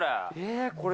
これ。